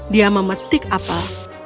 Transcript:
dia memetik apel